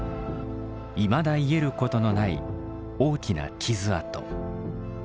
いまだ癒えることのない大きな傷痕。